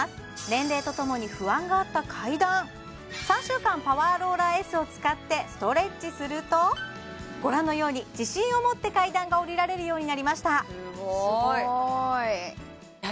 年齢とともに不安があった階段３週間パワーローラーＳを使ってストレッチするとご覧のように自信を持って階段が下りられるようになりました